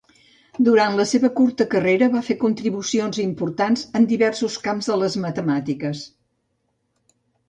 Durant la seva curta carrera va fer contribucions importants en diversos camps de les matemàtiques.